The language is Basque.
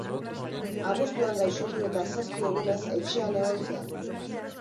Abuztuan gaixotu eta, zazpi egunez, etxean egon zen.